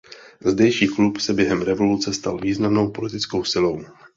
Zdejší klub se během revoluce stal významnou politickou silou.